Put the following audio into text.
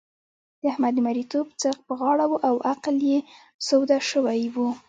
د احمد د مرېيتوب ځغ پر غاړه وو او عقل يې سوده شوی وو.